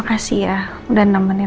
gak ada apa apa